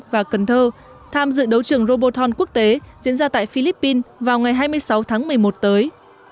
và cần thơ tham dự đấu trường robothan quốc tế diễn ra tại philippines vào ngày hai mươi sáu tháng một mươi một tới